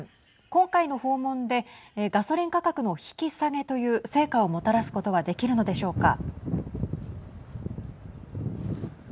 今回の訪問でガソリン価格の引き下げという成果をもたらすことはできるのでしょうか。